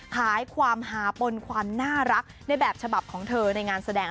หายความหาปนความน่ารักในแบบฉบับของเธอในงานแสดง